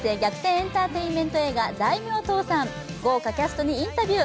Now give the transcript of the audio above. エンターテインメント映画、「大名倒産」、豪華キャストにインタビュー。